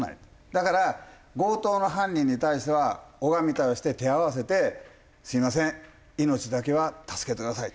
だから強盗の犯人に対しては拝み倒して手を合わせて「すみません命だけは助けてください」